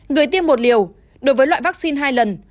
người tiêm một liều đối với loại vaccine hai lần